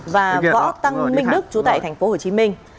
và võ tăng minh đức chú tại thành phố hồ chí minh